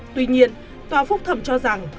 tuy nhiên tòa phúc thẩm cho rằng